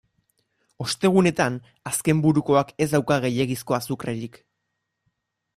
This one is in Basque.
Ostegunetan azkenburukoak ez dauka gehiegizko azukrerik.